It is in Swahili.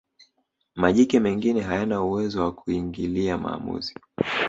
majike mengine hayana uwezo wa kuingilia maamuzi